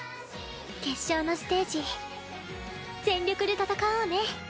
決勝のステージ全力で戦おうね。